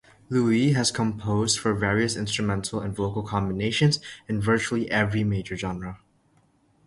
Louie has composed for various instrumental and vocal combinations in virtually every major genre.